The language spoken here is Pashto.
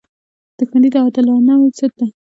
• دښمني د عادلانو ضد ده.